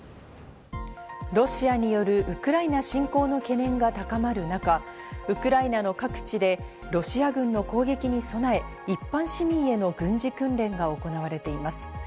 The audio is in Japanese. ロシアによるウクライナ侵攻の懸念が高まる中、ウクライナの各地でロシア軍の攻撃に備え、一般市民への軍事訓練が行われています。